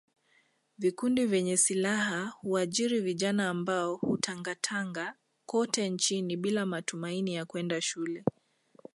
Vikundi vyenye silaha huajiri vijana ambao hutangatanga kote nchini bila matumaini ya kwenda shule